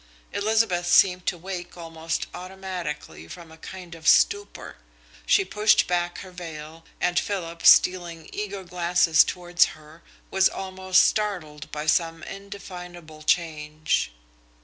Elizabeth seemed to wake almost automatically from a kind of stupor. She pushed back her veil, and Philip, stealing eager glances towards her, was almost startled by some indefinable change.